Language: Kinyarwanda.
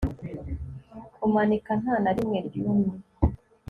Kumanika nta na rimwe ryumye